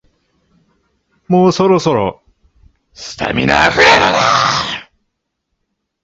もうそろそろ、スタミナあふれるな